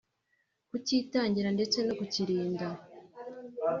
kukitangira ndetse no kukirinda